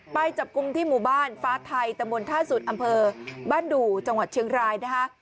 ไปจับกลุ่มที่หมู่บ้านฟ้าไทยตะมนต์ท่าสุดอำเภอบ้านดู่จังหวัดเชียงรายนะคะ